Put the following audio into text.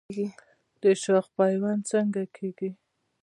د شاخ پیوند څنګه کیږي؟